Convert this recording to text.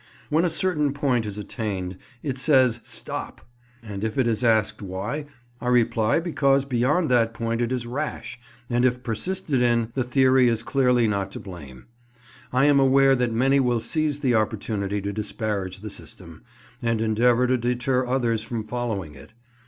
When a certain point is attained it says STOP; and if it is asked why, I reply because beyond that point it is rash, and if persisted in, the theory is clearly not to blame. I am aware that many will seize the opportunity to disparage the system, and endeavour to deter others from following it.